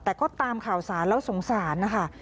แต่ก็ตามข่าวสารแล้วสงสารนะคะ